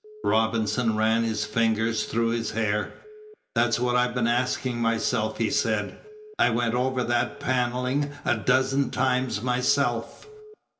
Robinson ran his fingers through his hair. "That's what I've been asking myself," he said. "I went over that panelling a dozen times myself."